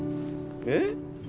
えっ？